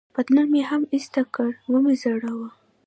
پتلون مې هم ایسته کړ، و مې ځړاوه.